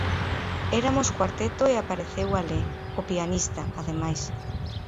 Eramos cuarteto e apareceu Ale, o pianista, ademais.